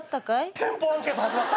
店舗アンケート始まった。